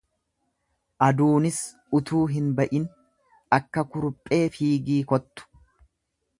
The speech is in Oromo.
aduunis utuu hin ba'in, akka kuruphee fiigii kottu,